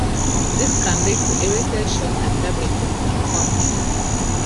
This can lead to irritation and damage to the cornea.